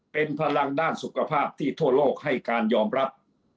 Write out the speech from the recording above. เป็นพลังด้านสุขภาพที่ทั่วโลกให้การยอมรับ